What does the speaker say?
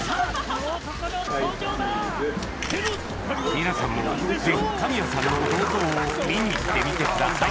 みなさんもぜひ神谷さんの銅像を見に行ってみてください